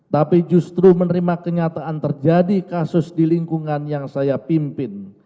tapi justru menerima kenyataan terjadi kasus di lingkungan yang saya pimpin